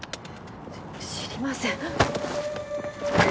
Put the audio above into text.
知りません。